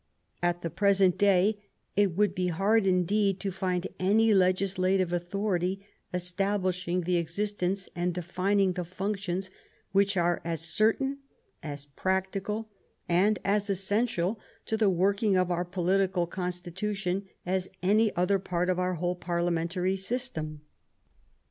At the present day it would be hard, indeed, to find any legislative authority establishing the existence and de fining the functions which are as certain, as practical, and as essential to the working of our political consti tution as any other part of our whole parliamentary system.